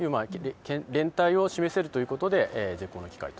連帯を示せるということで絶好の機会と。